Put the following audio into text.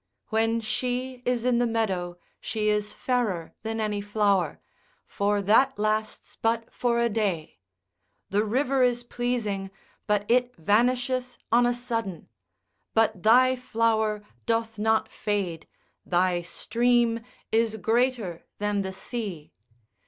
When she is in the meadow, she is fairer than any flower, for that lasts but for a day, the river is pleasing, but it vanisheth on a sudden, but thy flower doth not fade, thy stream is greater than the sea.